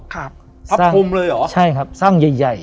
พับผมเลยหรอใช่ครับสร้างใหญ่